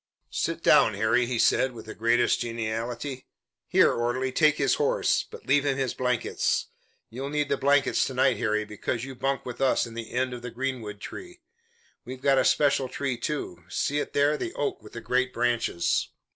"Sit down, Harry," he said with the greatest geniality. "Here, orderly, take his horse, but leave him his blankets. You'll need the blankets to night, Harry, because you bunk with us in the Inn of the Greenwood Tree. We've got a special tree, too. See it there, the oak with the great branches."